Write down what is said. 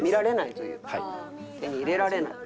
手に入れられない。